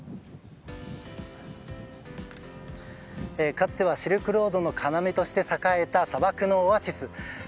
かつてはシルクロードの要として栄えた砂漠のオアシス。